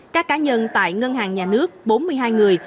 các cá nhân tại ngân hàng nhà nước bốn mươi hai người